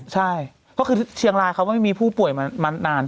ใช่ก็คือเชียงรายเขาไม่มีผู้ป่วยมานาน